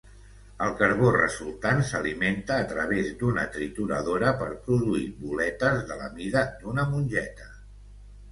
El carbó resultant s'alimenta a través d'una trituradora per produir boletes de la mida d'una mongeta.